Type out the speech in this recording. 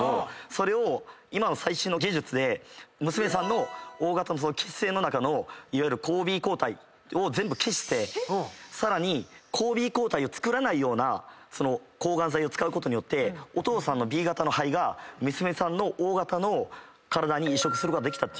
それを今の最新の技術で娘さんのＯ型の血清の中のいわゆる抗Ｂ抗体全部消してさらに抗Ｂ抗体をつくらない抗がん剤を使うことによってお父さんのＢ型の肺が娘さんのＯ型の体に移植できたっていう。